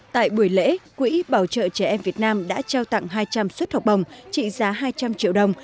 tại buổi lễ quỹ bảo trợ trẻ em việt nam đã trao tặng hai trăm linh suất học bổng trị giá hai trăm linh triệu đồng